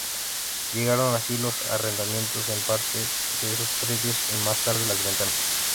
Llegaron así los arrendamientos en partes de esos predios y más tarde las ventas.